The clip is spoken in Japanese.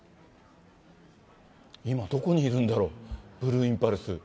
今、どこにいるんだろう、ブルーインパルス。